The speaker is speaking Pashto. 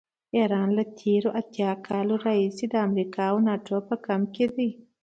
ایران له تېرو اتیا کالو راهیسې د امریکا او ناټو په کمپ کې دی.